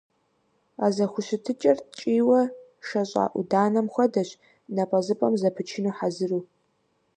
А зэхущытыкӀэр ткӀийуэ шэщӀа Ӏуданэм хуэдэщ, напӀэзыпӀэм зэпычыну хьэзыру.